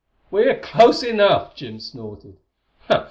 "We're close enough!" Jim snorted.